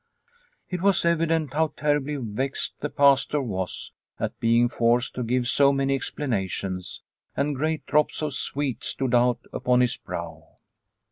It was evident how terribly vexed the Pastor was at being forced to give so many explanations, and great drops of sweat stood out upon his brow.